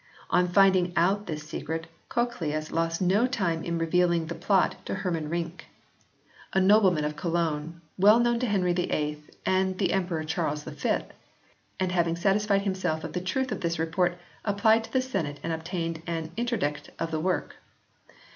On finding out this secret Cochlaeus lost no time in revealing the plot to Hermann Rinck, 42 HISTORY OF THE ENGLISH BIBLE [OH. a nobleman of Cologne, well known to Henry VIII and the Emperor Charles V, and he having satisfied himself of the truth of this report applied to the senate and obtained an interdict of the work.